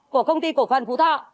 của công ty cổ phần phú thọ